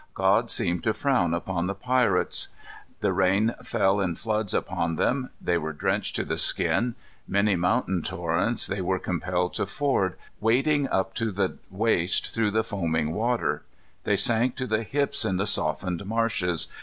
God seemed to frown upon the pirates. The rain fell in floods upon them. They were drenched to the skin. Many mountain torrents they were compelled to ford, wading up to the waist through the foaming water. They sank to the hips in the softened marshes.